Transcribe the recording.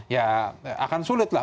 ya akan sulit lah